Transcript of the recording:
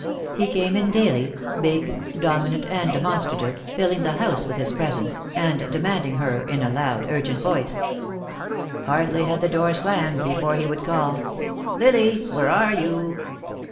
He came in daily, big, dominant and demonstrative, filling the house with his presence, and demanding her in a loud, urgent voice. Hardly had the door slammed before he would call: "Lily! Where are you?"